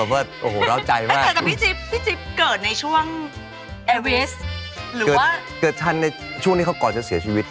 เนอะต้องใช้คำนี้เนอะคลั่งไครเอวิส